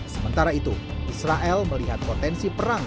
sementara itu israel melihat potensi perang